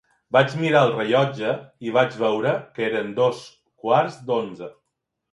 Vaig mirar el rellotge i vaig veure que eren dos quarts d'onze.